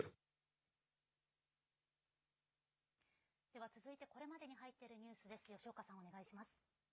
では続いて、これまでに入っているニュースです。